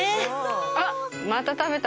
あっまた食べた。